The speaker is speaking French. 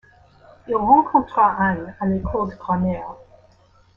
Il rencontra Anne à l'école de grammaire.